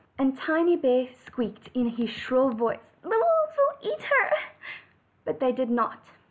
And Tiny bear squeaked in his shrill voice: "The wolves will eat her." But they did not.